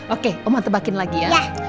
oke oman tebakin lagi ya